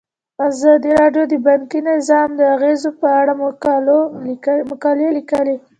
ازادي راډیو د بانکي نظام د اغیزو په اړه مقالو لیکلي.